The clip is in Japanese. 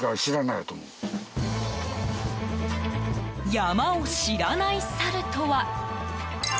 山を知らないサルとは？